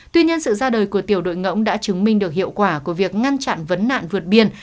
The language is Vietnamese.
tuy nhiên sự ra đời của tiểu đội ngỗng đã chứng minh được hiệu quả của việc ngăn chặn vấn nạn vượt biên